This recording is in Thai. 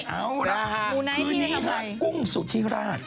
เอาล่ะคืนนี้ฮะกุ้งสุธิราช